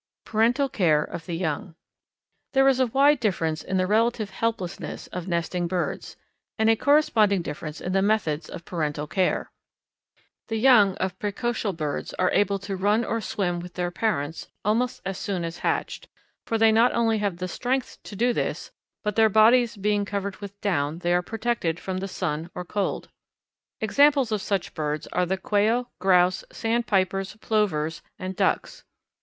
Parental Care of Young. There is a wide difference in the relative helplessness of nesting birds, and a corresponding difference in the methods of parental care. The young of praecocial birds are able to run or swim with their parents almost as soon as hatched, for they not only have the strength to do this, but their bodies being covered with down they are protected from the sun or cold. Examples of such birds are the Quail, Grouse, Sandpipers, Plovers, and Ducks.